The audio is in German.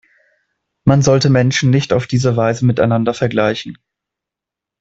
Man sollte Menschen nicht auf diese Weise miteinander vergleichen.